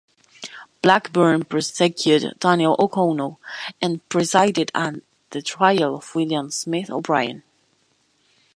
Blackburne prosecuted Daniel O'Connell and presided at the trial of William Smith O'Brien.